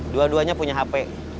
dua duanya punya hp